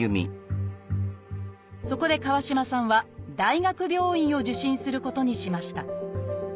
そこで川島さんは大学病院を受診することにしました。